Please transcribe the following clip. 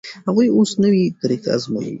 هغوی اوس نوې طریقه ازمويي.